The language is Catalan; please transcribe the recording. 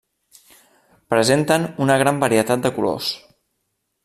Presenten una gran varietat de colors.